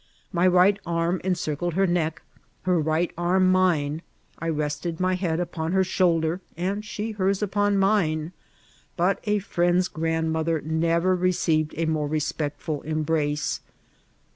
My right arm encircled her neck, her rig^t arm mine; I rested my head upon her shoulder, and she hers upon mine; but a friend's grandmother never received a more respectful embrace.